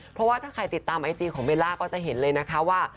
เพราะว่าถ้าใครติดตามไอจีของเบลล่าก็จะเห็นเลยนะคะว่า